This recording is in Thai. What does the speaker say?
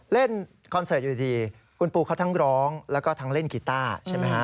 คอนเสิร์ตอยู่ดีคุณปูเขาทั้งร้องแล้วก็ทั้งเล่นกีต้าใช่ไหมฮะ